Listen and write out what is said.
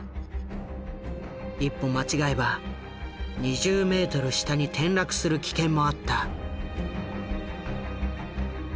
一歩間違えば２０メートル下に転落する危険もあった。